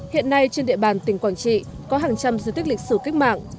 hiện nay trên địa bàn tỉnh quảng trị có hàng trăm di tích lịch sử kích mạng